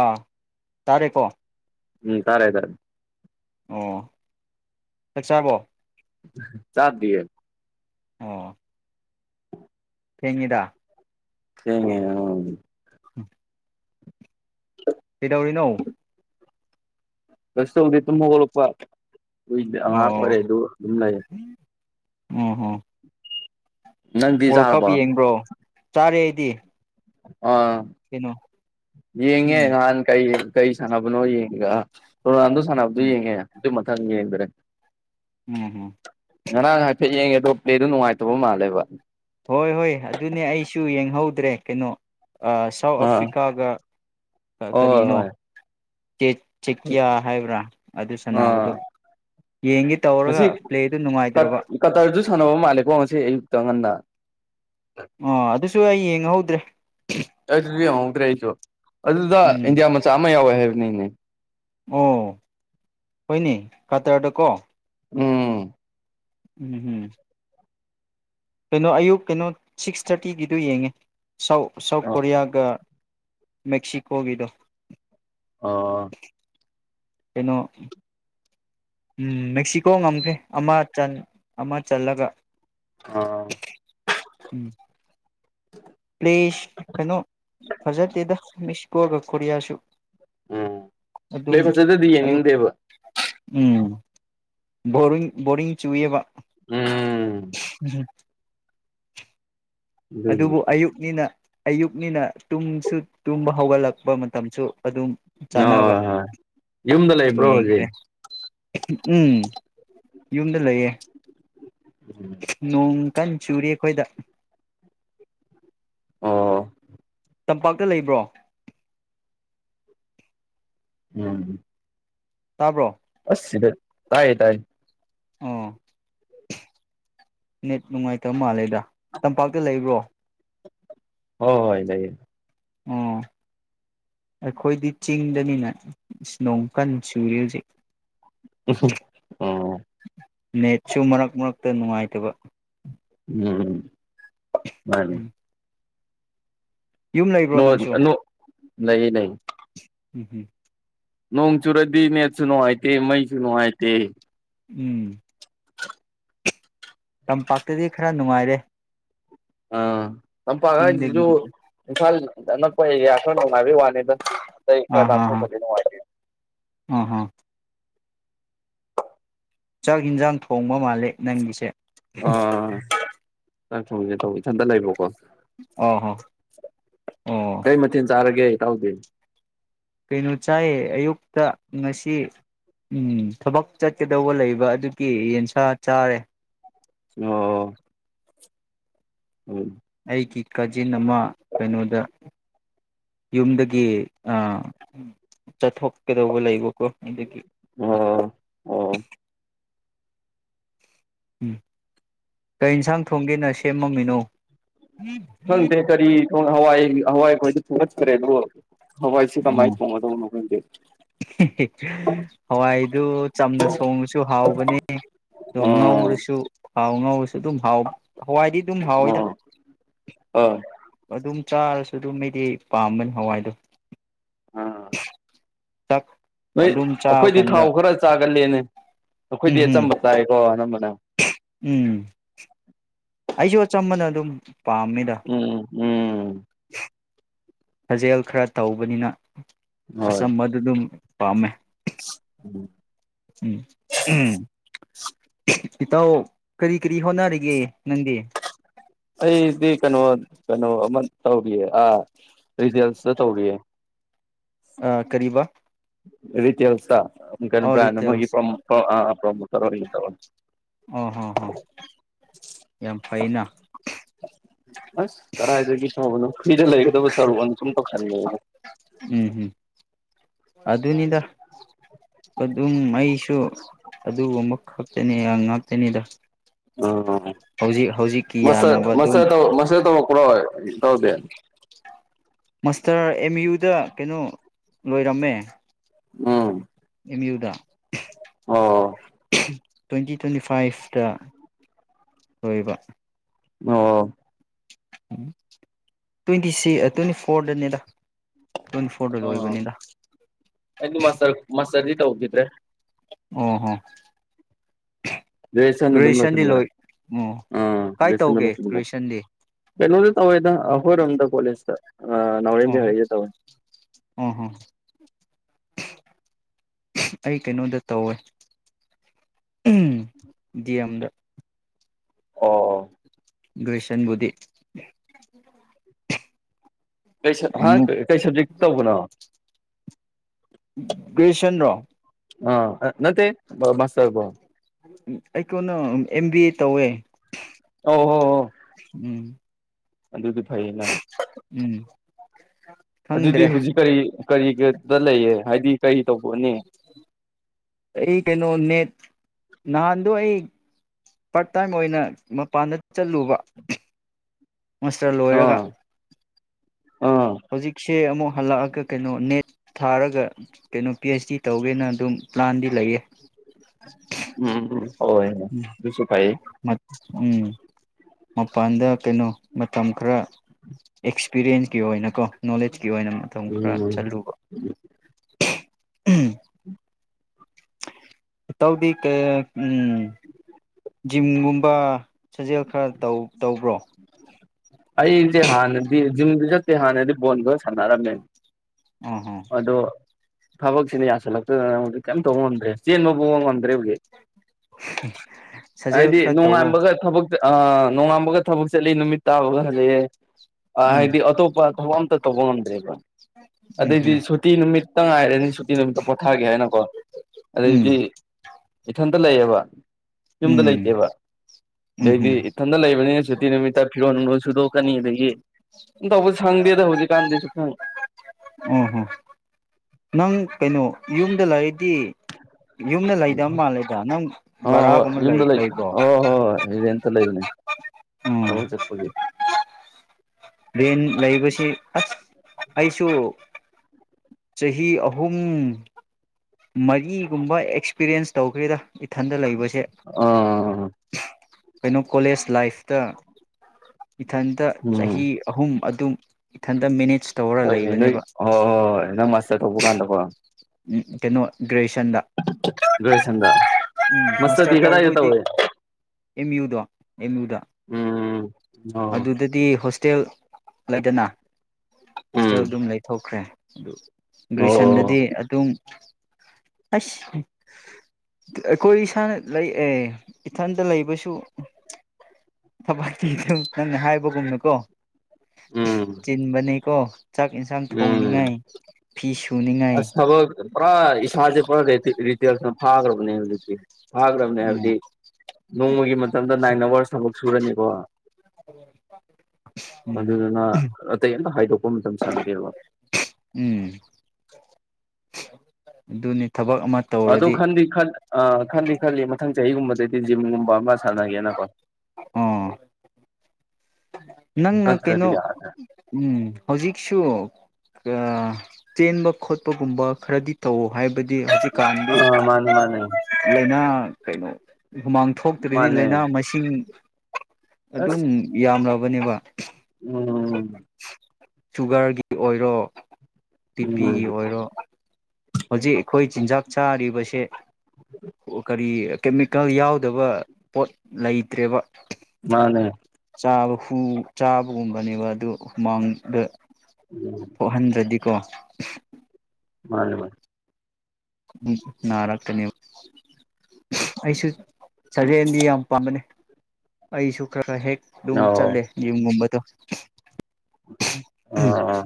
ꯑꯥ ꯇꯥꯔꯦ ꯀꯣ ꯎꯝ ꯇꯔꯦꯥꯏ ꯇꯔꯦ ꯑꯣ ꯆꯠ ꯆꯥꯕꯣ ꯆꯥꯗꯤꯌꯦ ꯑꯣ ꯊꯦꯡꯉꯤꯗ [unintelligible] ꯎꯝ [unintelligible] ꯀꯩꯗꯧꯔꯤꯅꯣ ꯀꯁꯗꯤ ꯇꯨꯝ ꯍꯧꯒꯠꯂꯛꯄ ꯀꯨꯏ ꯑꯉꯥꯡ ꯑꯣ ꯑꯣꯏꯔꯦꯗꯨ ꯑꯗꯨꯝ ꯂꯩꯌꯦ ꯑꯣ ꯍꯣ ꯅꯪꯗꯤ ꯋꯥꯔꯜ ꯀꯞ ꯆꯥꯔꯕꯣ ꯌꯦꯡꯕ꯭ꯔꯣ ꯆꯥꯔꯦ ꯑꯩꯗꯤ꯫ ꯑꯥ ꯀꯩꯅꯣ ꯌꯦꯡꯉꯦ ꯎꯝ ꯅꯍꯥꯟ ꯀꯩ ꯀꯩ ꯁꯅꯕꯅꯣ ꯌꯦꯡꯒ ꯔꯣꯅꯥꯟꯗꯣ ꯁꯥꯟꯅꯕꯗꯨ ꯎꯝ ꯌꯦꯡꯉꯦ ꯫ ꯑꯗꯨ ꯃꯊꯪ ꯌꯦꯡꯗ꯭ꯔꯦ꯫ ꯎꯝ ꯎꯝ ꯉꯔꯥꯡ ꯍꯥꯏꯐꯦꯠ ꯌꯦ ꯄ꯭ꯂꯦ ꯗꯨ ꯅꯨꯡꯉꯥꯏꯇꯕ ꯃꯥꯜꯂꯦꯕ ꯍꯣꯏ - ꯍꯣꯏ ꯑꯗꯨꯅꯦ ꯑꯩꯁꯨ ꯌꯦꯡꯍꯧꯗ꯭ꯔꯦ ꯀꯩꯅꯣ ꯑ ꯁꯥꯎꯠ ꯑꯥ ꯑꯐ꯭ꯔꯤꯀꯥꯒ ꯍꯣꯏ ꯀꯔꯤꯅꯣ ꯍꯣꯏ [unintelligible] ꯍꯣꯏ ꯆꯠꯀꯤꯌꯥ ꯍꯥꯏꯕ꯭ꯔꯥ ꯑꯗꯨ ꯑꯥ ꯁꯥꯟꯅꯕꯗꯨ ꯌꯦꯡꯒꯦ ꯉꯁꯤ ꯇꯧꯔꯒ ꯄ꯭ꯂꯦꯗꯨ ꯀꯠ ꯅꯨꯡꯉꯥꯏꯇ꯭ꯔꯕ꯫ ꯀꯇꯔꯁꯨ [unintelligible] ꯉꯁꯤ ꯑꯌꯨꯛꯇ ꯉꯟꯅ ꯑꯣ ꯑꯗꯨꯁꯨ ꯑꯩ ꯌꯦꯡꯍꯧꯗ꯭ꯔꯦ꯫ [unintelligible] [unintelligible] ꯑꯗꯨꯗ ꯎꯝ ꯏꯟꯗꯤꯌꯥ ꯃꯆꯥ ꯑꯃ ꯌꯥꯎꯑꯦ꯫ ꯍꯩꯕꯅꯤꯅꯦ ꯫ ꯑꯣ ꯍꯣꯏꯅꯦ ꯀꯇꯔꯗ ꯀꯣ ꯎꯝ꯫ ꯎꯝ ꯍꯝ꯫ ꯀꯩꯅꯣ ꯑꯌꯨꯛ ꯀꯩꯅꯣ ꯁꯤꯛꯁ ꯊꯥꯔꯇꯤꯒꯤꯗꯨ ꯌꯦꯡꯉꯦ꯫ ꯁꯥꯎ ꯁꯥꯎꯠ ꯑꯣ ꯀꯣꯔꯤꯌꯥꯒ ꯃꯦꯛꯁꯤꯀꯣꯒꯤꯗꯣ ꯑꯣ꯫ ꯀꯩꯅꯣ ꯎꯝ ꯃꯦꯛꯁꯤꯀꯣ ꯉꯝꯈ꯭ꯔꯦ ꯑꯃ ꯆꯟ ꯑꯃ ꯆꯜꯂꯒ ꯑꯥ꯫ ꯎꯝ꯫ ꯄꯂꯦꯁ ꯀꯩꯅꯣ ꯐꯖꯗꯦꯗ ꯃꯦꯁꯤ ꯀꯣꯒ ꯀꯣꯔꯤꯌꯥꯁꯨꯨ ꯎꯝ ꯄ꯭ꯂꯦ ꯐꯖꯗꯗꯤ ꯑꯌꯨꯛ ꯌꯦꯡꯅꯤꯡꯗꯦꯕ ꯫ ꯎꯝ ꯕꯔꯤ ꯕꯣꯔꯤꯡ ꯆꯨꯏꯕ꯫ ꯎꯝ꯫ ꯎꯝ꯫ ꯑꯗꯨꯅꯤ ꯑꯗꯨꯕꯨ ꯑꯌꯨꯛꯅꯤꯅ ꯑꯌꯨꯛꯅꯤꯅ ꯇꯨꯝꯁꯨ ꯇꯨꯝꯕ ꯍꯧꯒꯠꯂꯛꯄ ꯃꯇꯝꯁꯨ ꯑꯗꯨꯝ ꯍ ꯆꯥꯟꯅꯕ ꯍꯣꯏ ꯌꯨꯝꯗ ꯂꯩꯕ꯭ꯔꯣ ꯌꯦꯡꯈ꯭ꯔꯦ ꯍꯧꯖꯤꯛ? ꯎꯝ꯫ ꯌꯨꯝꯗ ꯂꯩꯌꯦ ꯎꯝ ꯅꯣꯡ ꯀꯟ ꯆꯨꯔꯤ ꯑꯩꯈꯣꯏꯗ ꯑꯣ ꯇꯝꯄꯥꯛꯇ ꯂꯩꯕ꯭ꯔꯣ ꯎꯝ ꯇꯥꯕ꯭ꯔꯣ ꯑꯁ ꯇꯥꯏꯌꯦ ꯇꯥꯏꯌꯦ ꯑꯣ ꯅꯦꯠ ꯅꯨꯡꯉꯥꯏꯇꯕ ꯃꯥꯜꯂꯦꯗ ꯇꯝꯄꯥꯛꯇ ꯂꯩꯕ꯭ꯔꯣ ꯍ ꯍꯣꯏ ꯂꯩꯏꯌꯦ ꯑꯣ ꯑꯩꯈꯣꯏꯗꯤ ꯆꯤꯡꯗꯅꯤꯅ ꯣꯡ ꯀꯟ ꯁꯨꯔꯤ ꯍꯧꯖꯤꯛ ꯑꯣ ꯅꯦꯠꯁꯨ ꯃꯔꯛ ꯃꯔꯛꯇ ꯅꯨꯡꯉꯥꯏꯇꯕ ꯃꯥꯅꯦ ꯎꯝ ꯌꯨꯝ ꯂꯩꯕ꯭ꯔꯣ ꯅꯪꯁꯨ ꯅ ꯅ ꯎꯝ ꯍꯝ ꯅꯣꯡ ꯆꯨꯔꯗꯤ ꯃꯁꯨꯅꯅꯨꯡ ꯍꯥꯏꯥꯏꯇꯦ ꯃꯩꯁꯨꯅꯅꯨꯡꯉꯥꯏꯇꯦ ꯎꯝ [unintelligible] [inaudible] ꯇꯝꯄꯥꯛꯇꯗꯤ ꯈꯔ ꯅꯨꯡꯉꯥꯏꯔꯦ ꯑꯥ ꯂꯝꯝꯄꯥꯉꯁꯨ ꯆꯤꯡꯗꯒꯤꯗꯤ ꯏꯝꯐꯥꯜ ꯑꯗꯨ ꯅ ꯄ ꯋꯥ ꯑꯥ ꯍꯥ ꯂꯥꯛꯣ ꯍꯥ ꯈꯗꯤꯅ ꯑꯥ ꯍꯥ ꯆ ꯆꯥꯛ ꯌꯦꯟꯖꯥꯡ ꯊꯣꯡꯕ ꯃꯥꯜꯂ ꯦ ꯅꯪꯒꯤꯁꯦ ꯆ ꯊꯧꯒꯦ ꯇꯧ ꯁꯟꯇ ꯂꯩꯕꯣꯀꯣ ꯑ ꯍ ꯑ ꯦ ꯇꯥꯎꯗꯦ ꯀꯩꯅꯣ ꯆꯥꯏꯌꯦ ꯑꯌꯨꯛꯇ ꯉꯁꯤ ꯊꯕꯛ ꯆꯠꯀꯗꯧꯕ ꯂꯩꯕ ꯑꯗꯨꯒꯤ ꯌꯦꯟꯁꯥ ꯆꯥꯔꯦ ꯑꯣ ꯑꯣ ꯑꯩꯒꯤ ꯀꯥꯖꯤꯟ ꯑꯃ ꯀꯩꯅꯣꯗ ꯌꯨꯝꯗꯒꯤ ꯆꯠꯊꯣꯛꯀꯗꯧꯕ ꯂꯩꯕꯀꯣ ꯑꯩꯗꯒꯤ ꯑꯣ ꯑꯣ ꯎꯝ ꯀꯩ ꯌꯦꯟꯁꯥꯡ ꯊꯣꯡꯒꯦꯅ ꯁꯦꯝꯃꯝꯃꯤꯅꯣ ꯐꯪꯇ ꯀꯔꯤ ꯍꯋꯥꯏ ꯑꯍꯣꯏꯏ ꯑꯩꯈꯣꯏꯗꯤ ꯊꯨꯔꯆꯈ꯭ꯔꯦ ꯑꯗꯨꯣ ꯍ ꯋꯥ ꯁꯤ ꯀꯥꯏ ꯎꯝ ꯐꯣꯉꯣ ꯇ ꯍꯋꯥꯏꯗꯨ ꯆꯝꯅ ꯁꯣꯡꯕꯁꯨ ꯍꯥꯎꯕꯅꯦ ꯑꯗꯨꯝ ꯑꯣ ꯉꯧꯔꯁꯨ ꯍꯥꯎ ꯉꯧꯔ ꯑꯗꯨꯝ ꯍꯥꯎ ꯍꯋꯥꯏꯗꯤ ꯑꯗꯨꯝ ꯍꯥꯎꯋꯦꯗ ꯑꯣ ꯑꯗꯨꯝ ꯆꯥꯔꯁꯨ ꯑꯗꯨꯝ ꯑꯩꯗꯤ ꯄꯥꯝꯕꯅꯤ ꯍꯋꯥꯏꯗꯣ ꯑꯥ ꯆꯥꯛ ꯅꯣꯏ ꯑꯗꯨꯝ ꯆꯥꯕ ꯑꯩꯈꯣꯏꯗꯤ ꯀꯥꯟꯗ ꯊꯥꯎ ꯈꯔ ꯆꯥꯒꯜꯂꯦꯅꯦ ꯑꯩꯈꯣꯏꯗꯤ ꯎꯝ ꯎꯝ ꯑꯆꯝꯕ ꯇꯥꯏꯀꯣꯝꯕ ꯎꯝ ꯑꯩꯁꯨ ꯑꯆꯝꯕꯅ ꯑꯗꯨꯝ ꯄꯥꯝꯃꯤꯗ ꯎꯝ ꯎꯝ [inaudible] ꯁꯥꯖꯦꯜ ꯈꯔ ꯇꯧꯕꯅꯤꯅ ꯑꯁꯥ ꯃꯗꯨꯗꯨ ꯄꯝꯃꯦ ꯎꯝ ꯎꯝ ꯎꯝ ꯏꯇꯥꯎ ꯀꯔꯤ ꯀꯔꯤ ꯍꯣꯠꯅꯔꯤꯒꯦ ꯅꯪꯗꯤ ꯑꯩꯗꯤ ꯀꯩꯅꯣ ꯀꯩꯅꯣꯃꯟ ꯇꯧꯕꯤꯦ ꯑ ꯔꯔꯤꯗꯤꯦꯜꯁ ꯆ ꯇꯧꯒꯦ ꯑ ꯀꯔꯤꯕꯥ ꯔꯔꯤꯇꯜꯁ ꯀꯩꯅꯣꯕ꯭ꯔꯥꯅ ꯃꯣꯏꯒꯤ ꯔꯤꯇꯦꯜꯁ ꯄ꯭ꯔꯣꯃꯣꯇꯔ ꯑꯣꯏꯒ ꯇ ꯑꯣ ꯍꯣ ꯍꯣ ꯌꯥꯝ ꯐꯩꯅ ꯑꯁ ꯀꯗꯥꯥꯏꯗꯗꯒꯤꯦ ꯁꯕꯅꯣ ꯃꯤꯗ ꯂꯩꯒꯗꯕ ꯁꯔꯨ ꯁꯨꯝ ꯇꯧꯁꯟꯒꯦ ꯑꯗꯨ ꯑꯗꯨꯅꯤꯗ ꯑꯗꯨ ꯑꯏꯁꯨ ꯑꯗꯨ ꯃꯛ ꯍꯥꯥꯛꯇꯦꯅꯦ ꯍꯪ ꯍꯥꯥꯛꯇꯅꯤꯗ ꯎ ꯃꯁꯥ ꯌꯥꯅꯕ ꯃꯁꯥ ꯑꯗꯨꯝ ꯇ ꯃꯁꯥ ꯇ ꯄꯨꯂ ꯇꯧꯗ ꯃꯥꯁꯇꯔ ꯑꯦꯝ ꯌꯨꯗ ꯀꯩꯅꯣ ꯂꯣꯏꯔꯝꯃꯦ ꯎꯝ ꯃꯤꯑꯣꯗ ꯑꯣ [unintelligible] ꯇ꯭ꯋꯦꯟꯇꯤ ꯇ꯭ꯋꯦꯟꯇꯤ ꯐꯥꯏꯚꯇ ꯂꯣꯏꯕ ꯑꯣ ꯇ꯭ꯋꯦꯟꯇꯤ ꯁꯤ ꯇ꯭ꯋꯦꯟꯇꯤ ꯐꯣꯔꯗꯅꯦꯗ ꯑ ꯑꯩꯗꯤ ꯃꯥꯁꯔ ꯃꯥꯁ ꯠꯇ ꯍꯒꯗ꯭ꯔꯦ ꯑ ꯍꯣ ꯦꯁ ꯒ꯭ꯔꯦꯖꯨꯌꯦꯁꯟꯗꯤ ꯙꯕꯁꯟꯒꯔ ꯂꯣꯏ ꯑꯣ ꯑ ꯀꯥꯏ ꯇꯧꯒꯦ ꯒ꯭ꯔꯦꯖꯨꯌꯦꯁꯟꯗꯤ ꯆꯟꯁꯟꯒꯔ ꯣꯏꯗ ꯍꯔꯣꯗ ꯀꯣꯂꯤꯁꯇ ꯑ ꯑ ꯍ ꯑꯩ ꯀꯩꯅꯣꯗ ꯇꯧꯋꯦ ꯑꯦꯝꯗ ꯑꯣ ꯑꯣ ꯭ꯔꯤꯁꯟꯕꯨꯙ ꯀꯩ ꯀꯩ ꯁꯕꯖꯦ ꯇꯧꯕꯅꯣ ꯀ꯭ꯔꯤꯁꯟ꯭ꯔꯣ ꯑ ꯅꯠꯇꯦ ꯃꯁꯕ ꯑꯩꯈꯣꯟꯅ ꯑꯦꯝ ꯕꯤ ꯑꯦ ꯇꯧꯋꯦ ꯑ ꯍ ꯍ ꯎꯝ ꯑꯗꯨꯗꯤ ꯐꯩꯌꯦꯅꯪ ꯎꯝ ꯑꯗꯨꯗꯤ ꯈꯪꯗ꯭ꯔꯦ ꯍꯧꯖꯤꯛ ꯀꯔꯤ ꯀꯔꯤꯒꯤꯗ ꯂꯩꯌꯦ ꯍꯥꯏꯗꯤ ꯀꯔꯤ ꯇꯧꯕꯅꯦ ꯑꯩ ꯀꯩꯅꯣ ꯅꯦꯠ ꯅꯍꯥꯟꯗꯣ ꯑꯩ ꯄꯥꯔꯠ ꯇꯥꯏꯝ ꯑꯣꯏꯅ ꯃꯄꯥꯟꯗ ꯆꯠꯂꯨꯕ ꯃꯥꯁꯇꯔ ꯂꯣꯏꯔꯒ ꯑꯥ ꯑꯥ ꯆꯦ ꯑꯃꯨꯛ ꯍꯜꯂꯛꯑꯒ ꯀꯩꯅꯣ ꯅꯦꯠ ꯊꯥꯔꯒ ꯀꯩꯅꯣ ꯄꯤ ꯑꯩꯆ ꯗꯤ ꯇꯧꯒꯦꯅ ꯑꯗꯨꯝ ꯄ꯭ꯂꯥꯟꯗꯤ ꯂꯩꯌꯦ ꯎꯝ ꯎꯝ ꯑꯣ ꯁꯨꯁꯨ ꯐꯥꯏꯌꯦ ꯎꯝ ꯃꯄꯥꯟꯗ ꯀꯩꯅꯣ ꯃꯇꯝ ꯈꯔ ꯑꯦꯛꯁꯄꯤꯔꯤꯌꯦꯟꯁꯀꯤ ꯑꯣꯏꯅꯀꯣ ꯅꯣꯂꯦꯖ ꯒꯤ ꯑꯣꯏꯅ ꯃꯇꯝ ꯈꯔ ꯎꯝ ꯆꯠꯂꯨꯕ ꯎꯝ ꯃꯇꯧꯗꯤ ꯖꯤꯝꯒꯨꯝꯕ ꯁꯥꯖꯦꯜ ꯈꯔ ꯇꯧꯕ꯭ꯔꯣ ꯑꯩꯁꯦ ꯍꯥꯟꯅꯗꯤ ꯖꯤꯝꯗꯤ ꯆꯠꯇꯦ ꯍꯥꯟꯅꯗꯤ ꯕꯣꯜꯒ ꯁꯥꯟꯅꯔꯝꯃꯦ ꯎꯝ ꯎꯝ ꯐꯥꯕꯛꯁꯤꯅꯤ ꯌꯥꯁ ꯂꯥꯛꯗ ꯀꯝ ꯇꯧꯕꯉꯣꯣꯟꯗ꯭ꯔꯦ ꯆꯦꯟꯕ ꯄꯕ ꯉꯝꯗ꯭ꯔꯦ ꯍꯧꯒꯤ ꯁꯥꯖꯦꯜ ꯍꯥꯏꯗꯤ ꯈꯔ ꯇꯧꯋꯣ ꯅꯣꯡꯉꯥꯟꯕꯒ ꯊꯕꯛ ꯅꯣꯡꯉꯝꯕꯒ ꯊꯕꯛ ꯆꯠꯂꯤ ꯅꯨꯃꯤꯠ ꯇꯥꯕꯒ ꯍꯜꯂꯛꯑꯦ ꯎꯝ ꯍꯥꯏꯗꯤ ꯑꯇꯣꯞꯄ ꯊ ꯇꯧꯕꯉ ꯉꯝꯗ꯭ꯔꯔꯤꯔꯤꯕ ꯎꯝ ꯑꯗꯩꯗꯤ ꯍꯝ ꯁꯨꯇꯤ ꯅꯨꯃꯤꯠꯇ ꯉꯥꯏꯔꯅꯤ ꯁꯨꯇꯤ ꯅꯨꯃꯤꯠꯇ ꯄꯣꯊꯥꯒꯦ ꯍꯥꯏꯅꯀꯣ ꯎꯝ ꯑꯗꯩꯗꯤ ꯏꯊ ꯂꯩꯌꯦꯕ ꯌꯨꯝꯗ ꯎꯝ ꯂꯩꯇꯦꯕ ꯎꯝ ꯑꯗꯩꯗꯤ ꯍꯝ ꯏꯊꯟꯗ ꯂꯩꯕꯅꯤꯅ ꯁꯨꯇꯤ ꯅꯨꯃꯤꯠꯇ ꯐꯤꯔꯣꯟꯒꯣꯟ ꯁꯨꯗꯣꯛꯀꯅꯤ ꯑꯗꯒꯤ ꯁ ꯇꯧꯕ ꯁꯪꯗꯦꯗ ꯍꯧꯖꯤꯛꯀꯥꯟꯗꯤ ꯁꯨ ꯁꯥꯪ꯫ ꯎꯝꯍꯣ ꯅꯪ ꯀꯩꯅꯣ ꯌꯨꯝꯗ ꯂꯩꯔꯗꯤ ꯌꯨꯝꯗ ꯂꯩꯗꯕ ꯃꯥꯜꯂꯦꯗ ꯅꯪ ꯍꯣꯏ ꯍꯣꯏ ꯕꯔꯥꯒꯨꯝꯕ ꯂꯩ ꯂꯩꯕ꯭ꯔꯣ? ꯇ ꯂꯩꯕꯅꯦ꯫ ꯎꯝ ꯊꯕꯛ ꯆꯠꯄꯒꯤ ꯫ ꯔꯦꯟ ꯂꯩꯕꯁꯤ ꯑꯁ ꯑꯩꯁꯨ ꯆꯍꯤ ꯑꯍꯨꯝ ꯃꯔꯤꯒꯨꯝꯕ ꯑꯦꯛꯁꯄꯤꯔꯤꯌꯦꯟꯁ ꯇꯧꯈ꯭ꯔꯦꯗ ꯏꯊꯟꯗ ꯂꯩꯕꯁ ꯑꯥ [unintelligible] ꯀꯩꯅꯣ ꯀꯣꯂꯦꯖ ꯂꯥꯏꯐꯇ ꯏꯊꯟꯇ ꯎꯝ ꯆꯍꯤ ꯑꯍꯨꯝ ꯑꯗꯨꯝ ꯏꯊꯟꯇ ꯃꯦꯅꯦꯖ ꯇꯧꯔ ꯍꯣꯏꯅꯦ ꯅꯣꯏ ꯂꯩꯕꯅꯦꯕ ꯍꯣꯏ ꯍꯣꯏ ꯍꯣꯏ ꯅꯪ ꯃꯁꯇꯊꯣꯛꯧꯕ ꯀꯥꯟꯗꯀꯣ꯫ ꯎꯝ ꯀꯩꯅꯣ ꯒ꯭ꯔꯦꯌꯦꯁꯟꯗ꯫ ꯃꯁꯇꯔ ꯗꯤ ꯀꯗꯥꯏꯗ ꯇꯧꯔꯦ? ꯑꯦꯝ ꯌꯨꯗꯣ ꯑꯦꯝ ꯌꯨꯗ꯫ ꯎꯝ꯫ ꯑꯣ ꯑꯗꯨꯗꯗꯤ ꯍꯣꯁ ꯇꯦꯜ ꯂꯩꯗꯅ ꯎꯝ ꯍꯣꯁꯇꯦꯜ ꯑꯗꯨꯝ ꯂꯩꯊꯣꯛꯈ꯭ꯔꯦ꯫ ꯑꯗꯨ ꯑꯣ ꯒ꯭ꯔꯦꯖꯨꯌꯦꯁꯟꯗꯗꯤ ꯑꯗꯨꯝ ꯑꯁ ꯑꯩꯈꯣꯏ ꯏꯁꯥꯅ ꯂꯩ ꯑꯦ ꯏꯊꯟꯇ ꯂꯩꯕꯁꯨ ꯊꯕꯛꯇꯤ ꯑꯗꯨꯝ ꯅꯪꯅ ꯍꯥꯏꯕꯒꯨꯝꯅꯀꯣ ꯎꯝ ꯆꯤꯟꯕꯅꯤ ꯀꯣ ꯆꯥꯛ ꯌꯦꯟꯁꯥꯡ ꯎꯝ ꯊꯣꯡꯅꯤꯡꯉꯥꯏ ꯐꯤꯁꯨ ꯑꯁ ꯊꯕꯛ ꯄꯨꯔꯥ ꯁꯥꯥꯖ ꯄ ꯔ ꯔꯔꯤ ꯐꯥꯒ꯭ꯔꯕꯅꯦ ꯍꯨꯖꯤꯛꯇꯤ ꯐꯥꯈ꯭ꯔꯕꯅꯦ ꯎꯝ ꯍꯥꯏꯕꯗꯤ ꯅꯣꯡꯃꯒꯤ ꯃꯇꯝꯗ ꯅꯥꯏꯟ ꯑꯋꯥꯔꯁ ꯊꯕꯛ ꯁꯨꯔꯅꯤꯀꯣ ꯎꯝ ꯑꯗꯨꯗꯨꯅ ꯑꯇꯩ ꯑꯝꯇ ꯍꯥꯏꯗꯣꯛ ꯀꯟ ꯇ ꯁꯗ ꯋꯥ ꯎꯝ ꯑꯗꯨꯅꯤ꯫ ꯊꯕꯛ ꯑꯃ ꯑꯗꯨ ꯇꯧꯔꯗꯤ ꯈꯟꯗꯤ- ꯈꯟ ꯑ ꯈꯟꯗꯤ - ꯈꯜꯂꯤ ꯃꯊꯪ ꯆꯍꯤꯒꯨꯝꯕꯗꯦꯗꯤ ꯖꯤꯝ ꯕ ꯑꯃ ꯁꯥꯟꯅꯒꯦ ꯅ ꯀꯣ ꯫ ꯑꯣ ꯅꯪꯅ ꯀꯩꯅꯣ ꯌꯥꯔ ꯎꯝ ꯍꯧꯖꯤꯛꯁꯨ ꯆꯦꯟꯕ ꯈꯣꯠꯄꯒꯨꯝꯕ ꯈꯔꯗꯤ ꯇꯧꯋ ꯍꯥꯏꯕ ꯑ ꯃꯥꯅꯦ - ꯃꯥꯅꯦ꯫ ꯂꯩꯥꯏꯅꯥ ꯀꯩꯅꯣ ꯍꯨꯃꯥꯡ ꯊꯣꯛꯇ꯭ꯔꯗꯤ ꯃꯥꯅꯦ ꯂꯥꯏꯅꯥ ꯃꯁꯤꯡ ꯑꯗꯨꯝ ꯑꯁ ꯌꯥꯝꯂ ꯕꯅꯦꯕ ꯎꯝ꯫ ꯁꯨꯒꯔꯒꯤ ꯑꯣꯏꯔꯣ ꯕꯤꯄꯤꯒꯤ ꯎꯝ ꯑꯣꯏꯔꯣ ꯍꯧꯖꯤꯛ ꯑꯩꯈꯣꯏ ꯆꯤꯟꯖꯥꯛ ꯆꯥꯔꯤꯕꯁꯦ ꯑꯣ ꯀꯔꯤ ꯀꯦꯃꯤꯀꯦꯜ ꯌꯥꯎꯗꯕ ꯄꯣꯠ ꯂꯩꯇ꯭ꯔꯦꯕ꯫ ꯃꯥꯅꯦ ꯆꯥꯕ ꯫ ꯍꯨ ꯆꯥꯕꯒꯨꯝꯕꯅꯦꯕ ꯑꯗꯨ ꯍꯨꯃꯥꯡꯗ ꯎꯝ ꯊꯣꯛ ꯍꯟꯗ꯭ꯔꯗꯤ ꯀꯣ ꯃꯥꯅꯦ ꯃꯥꯅꯤ꯫ ꯎ ꯅꯔꯥꯀꯅꯤ [unintelligible] ꯑꯩꯁꯨ ꯆꯒꯦꯝꯗꯤ ꯌꯥꯝ ꯄꯥꯝꯕꯅꯤ꯫ ꯑꯩꯁꯨꯨꯀ꯭ꯔ ꯍꯦꯛ ꯑꯗꯨꯝ ꯑꯣ ꯆꯜꯂꯦ ꯌꯨꯝꯒꯨꯝꯕꯗꯣ [inaudible] ꯎꯝ ꯑꯥ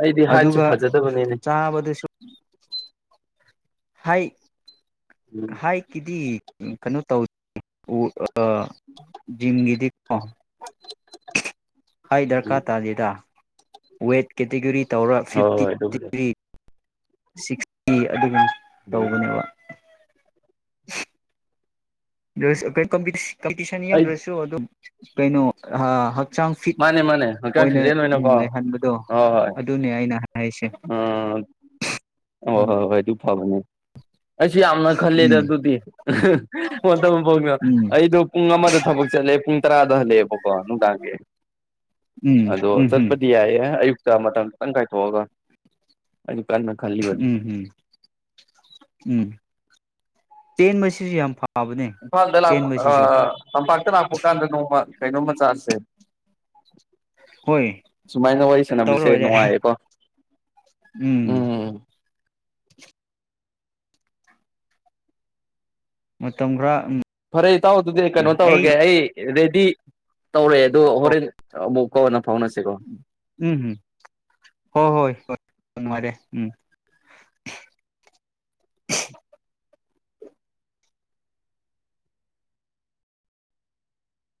ꯑꯩꯗꯤ ꯍꯥꯏꯠꯁꯨ ꯑꯗꯨꯒ ꯐꯖꯗꯕꯅꯤꯅꯦ ꯆꯥꯕꯗꯁꯨ ꯎꯝ ꯍꯥꯏꯇ ꯎꯝ ꯍꯥꯏꯠ ꯀꯤ ꯗꯤ ꯎꯝ ꯀꯩꯅꯣ ꯇꯧ ꯎ ꯑ ꯖꯤꯡꯒꯤꯗꯤ ꯑ ꯍꯥꯏ ꯗꯔꯀꯥ ꯎꯝ ꯇꯥꯗꯦꯗ ꯋꯦꯠ ꯀꯦꯇꯤꯒꯔꯤ ꯇꯧꯔ ꯍꯣꯏ ꯐꯤꯞꯇꯤ ꯍꯣꯏ ꯑꯗꯨꯕꯨꯗꯤ ꯇꯤꯒ꯭ꯔꯤ ꯁꯤꯛꯁꯇꯤ ꯑꯗꯨꯒꯨꯝ ꯎꯝ ꯇꯧꯕꯅꯦꯕ [unintelligible] ꯀꯝꯄꯤꯇꯤꯁꯟ ꯑꯩ ꯌꯥꯝꯎꯗ꯭ꯔꯁꯨ ꯑꯗꯨꯝ ꯀꯩꯅꯣ ꯍ ꯍꯛ ꯃꯥꯅꯦ ꯃꯥꯅꯦ ꯍꯛꯆꯥꯡ ꯁꯤꯖꯦꯟ ꯑꯣꯏꯅꯀꯣ ꯍꯣꯏ ꯂꯩꯍꯟꯕꯗꯣ ꯑꯗꯨꯅꯦ ꯑꯩꯅ ꯍꯥꯏꯁꯦ ꯍꯣꯏ ꯎ ꯍ ꯎꯝ ꯍꯣꯏ ꯍꯣꯏ ꯑꯗꯨ ꯐꯕꯅꯦ ꯑꯩꯁꯨ ꯌꯥꯝꯅ ꯈꯜꯂꯦꯗ ꯎꯝ ꯑꯗꯨꯗꯤ ꯍ ꯐꯥꯎ ꯎꯝ ꯑꯩꯗꯣ ꯄꯨꯡ ꯑꯃꯗ ꯊꯕꯛ ꯆꯠꯂꯦ ꯄꯨꯡ ꯇꯔꯥꯗ ꯍꯜꯂꯛꯑꯦꯕꯀꯣ ꯅꯨꯡꯗꯥꯡꯒꯤ ꯎꯝ ꯑꯗꯣ ꯎꯝ ꯆꯠꯄꯗꯤ ꯌꯥꯌꯦ ꯑꯦ ꯑꯌꯨꯛꯇ ꯃꯇꯝ ꯈꯤꯇꯪ ꯀꯥꯏꯊꯣꯛꯑꯒ ꯀꯟꯅ ꯈꯜꯂꯤꯕꯅꯤ ꯎꯝ ꯎꯝ ꯎꯝ ꯇꯦꯟꯕꯁꯤꯁꯨ ꯌꯥꯝ ꯐ ꯏꯝꯐꯥꯜꯗ ꯂꯥꯛꯄ ꯇꯝꯄꯥꯛꯇ ꯂꯥꯛꯄ ꯀꯥꯟꯗ ꯅꯣꯡꯃ ꯀꯩꯅꯣ ꯃ ꯆꯥꯁꯦ ꯍꯣꯏ ꯁꯨꯃꯥꯏꯅ ꯋꯥꯔꯤ ꯁꯥꯟꯅꯕꯁꯦ ꯇꯧꯔꯣꯏꯔꯦ ꯅꯨꯡꯉꯥꯏꯌꯦꯀꯣ ꯎꯝ ꯃꯇꯝ ꯈꯔ ꯎꯝ ꯐꯔꯦ ꯏꯇꯥꯎ ꯑꯗꯨꯗꯤ ꯀꯩꯅꯣ ꯇꯧꯔꯒꯦ ꯑꯩ ꯔꯦꯗꯤ ꯇꯧꯂꯦ ꯑꯗꯨꯣ ꯍꯣꯔꯦꯟ ꯀꯅ ꯎꯝ ꯎꯝ ꯍꯣ ꯍꯣꯏ ꯍꯣꯏ ꯅꯨꯉꯥꯏꯔꯦ ꯎꯝ